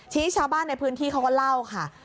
ชาวบ้านในพื้นที่เขาก็เล่าค่ะ